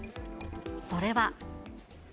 それは。